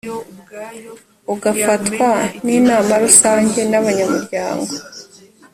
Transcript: ugafatwa n inama rusange y abanyamuryango